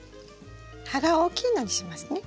葉が大きいのにしますね。